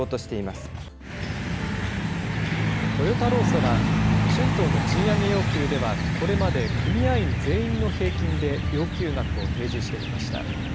春闘の在り方が変わろうとしていトヨタ労組は春闘の賃上げ要求ではこれまで組合員全員の平均で要求額を提示してきました。